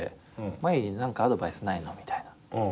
「真佑に何かアドバイスないの？」みたいな。